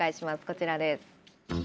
こちらです。